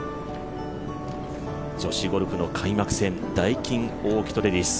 女子ゴルフの開幕戦ダイキンオーキッドレディス。